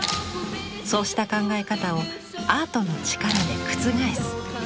そうした考え方をアートの力で覆す。